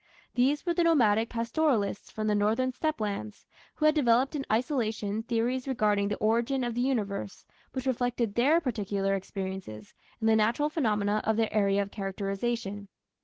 These were the nomadic pastoralists from the northern steppe lands, who had developed in isolation theories regarding the origin of the Universe which reflected their particular experiences and the natural phenomena of their area of characterization.